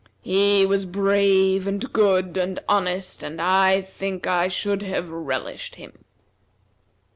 He was brave, and good, and honest, and I think I should have relished him."